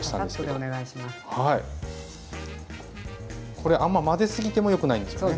これあんま混ぜすぎてもよくないんですよね？